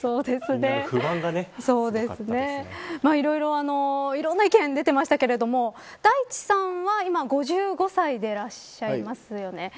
みんな、不満がいろんな意見が出ていましたが大地さんは今５５歳でいらっしゃいますよね。